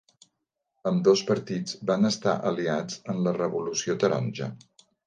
Ambdós partits van estar aliats en la Revolució Taronja.